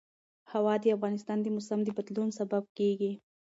هوا د افغانستان د موسم د بدلون سبب کېږي.